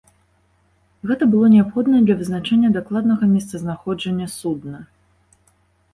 Гэта было неабходна для вызначэння дакладнага месцазнаходжання судна.